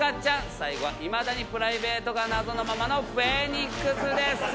最後は今だにプライベートが謎のままのフェニックスです。